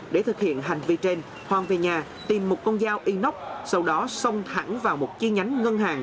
để thực hiện hành vi trên hoàng về nhà tìm một con dao inox sau đó xông thẳng vào một chi nhánh ngân hàng